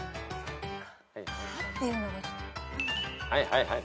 はいはい。